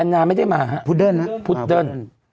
แล้วคุณพุดเดิ้น